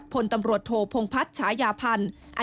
พลตำรวจโทพงพัฒน์ฉายาพันธ์